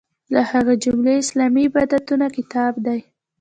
له هغې جملې اسلامي عبادتونه کتاب دی.